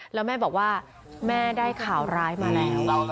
แล้วแม่บอกว่าแม่ได้ข่าวร้ายมาแล้ว